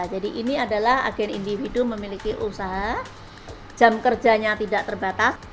jadi ini adalah agen individu memiliki usaha jam kerjanya tidak terbatas